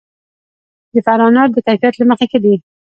د فراه انار د کیفیت له مخې ښه دي.